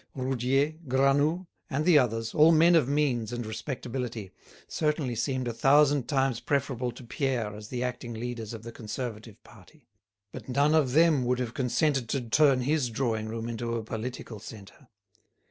Roudier, Granoux, and the others, all men of means and respectability, certainly seemed a thousand times preferable to Pierre as the acting leaders of the Conservative party. But none of them would have consented to turn his drawing room into a political centre.